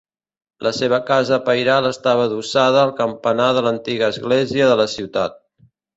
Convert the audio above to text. La seva casa pairal estava adossada al campanar de l’antiga església de la ciutat.